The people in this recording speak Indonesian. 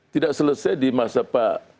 tidak selesai di masa pak